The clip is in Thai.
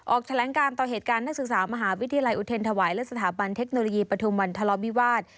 ออกแถลงการต่อเหตุการณ์นักศึกษามหาวิทยาลัยอุเทรนถวายและสถาบันเทคโนโลยีปฐุมวันทะเลาวิวาส